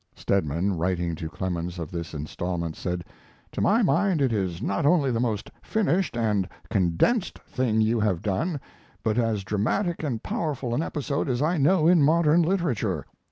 [Stedman, writing to Clemens of this instalment, said: "To my mind it is not only the most finished and condensed thing you have done but as dramatic and powerful an episode as I know in modern literature."